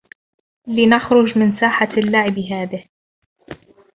لنخرج من ساحة اللعب هذه.